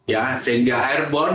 ya sehingga airborne